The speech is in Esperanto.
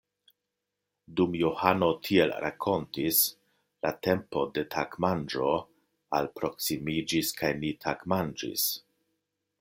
Dum Johano tiel rakontis, la tempo de tagmanĝo alproksimiĝis, kaj ni tagmanĝis.